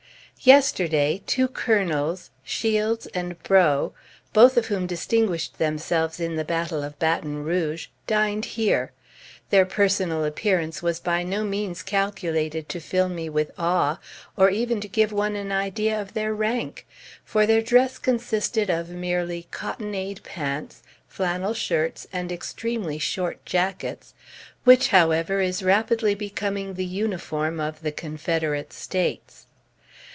Yesterday, two Colonels, Shields and Breaux, both of whom distinguished themselves in the battle of Baton Rouge, dined here. Their personal appearance was by no means calculated to fill me with awe, or even to give one an idea of their rank; for their dress consisted of merely cottonade pants, flannel shirts, and extremely short jackets (which, however, is rapidly becoming the uniform of the Confederate States).